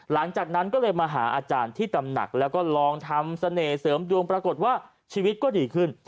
หลังจากนั้นก็เลยมาหาอาจารย์ที่ตำหนักแล้วก็ลองทำเสน่ห์เสริมดวงปรากฏว่าชีวิตก็ดีขึ้น